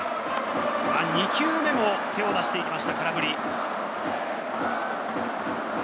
２球目も手を出していきました、空振り。